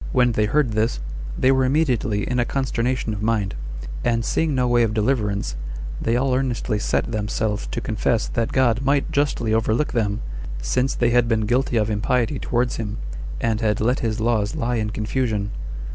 When they heard this, they were immediately in a consternation of mind; and seeing no way of deliverance, they all earnestly set themselves to confess that God might justly overlook them, since they had been guilty of impiety towards him, and had let his laws lie in confusion.